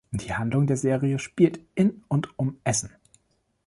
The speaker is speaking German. Die Handlung der Serie spielt in und um Essen.